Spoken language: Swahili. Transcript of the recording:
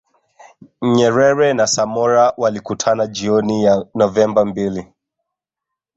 Nyerere na Samora walikutana jioni ya Novemba mbili